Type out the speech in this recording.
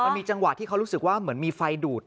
มันมีจังหวะที่เขารู้สึกว่าเหมือนมีไฟดูด